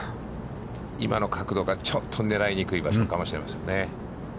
今の角度がちょっと狙いにくい場所かも知れませんね。